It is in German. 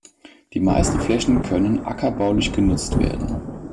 Die meisten Flächen können ackerbaulich genutzt werden.